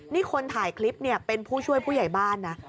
นี่คนถ่ายคลิปเนี่ยเป็นผู้ช่วยผู้ใหญ่บ้านนะ